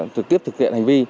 thực tiếp thực hiện hành vi